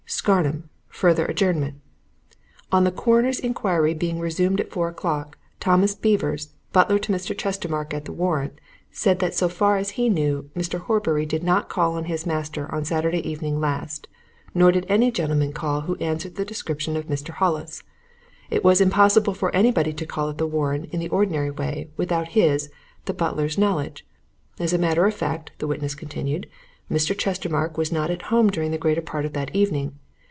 "'Scarnham further adjournment. On the Coroner's inquiry being resumed at four o'clock, Thomas Beavers, butler to Mr. Chestermarke at the Warren, said that so far as he knew, Mr. Horbury did not call on his master on Saturday evening last, nor did any gentleman call who answered the description of Mr. Hollis. It was impossible for anybody to call at the Warren, in the ordinary way, without his, the butler's, knowledge. As a matter of fact, the witness continued, Mr. Chestermarke was not at home during the greater part of that evening.